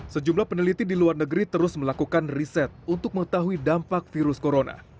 sejumlah peneliti di luar negeri terus melakukan riset untuk mengetahui dampak virus corona